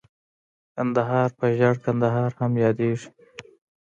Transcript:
کندهار په ژړ کندهار هم ياديږي.